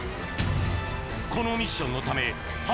このミッションのため